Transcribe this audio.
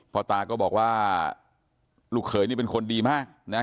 พ่อตาก็บอกว่าลูกเขยนี่เป็นคนดีมากนะ